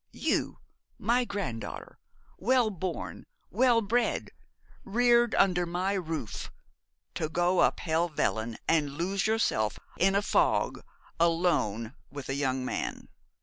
You, my granddaughter, well born, well bred, reared under my roof, to go up Helvellyn and lose yourself in a fog alone with a young man.